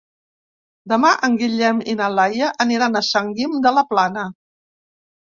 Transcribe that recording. Demà en Guillem i na Laia aniran a Sant Guim de la Plana.